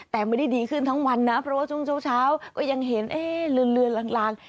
แต่ไม่ได้ดีขึ้นทั้งวันนะเพราะว่าช่วงเช้าก็ยังเห็นเอ๊ะเลือนลาง